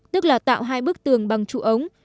tức là tạo hai bức tường bằng trụ ống